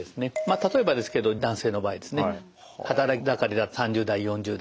例えばですけど男性の場合ですね働き盛りだと３０代４０代。